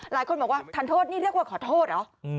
หลายคนบอกว่าทานโทษนี่เรียกว่าขอโทษเหรอ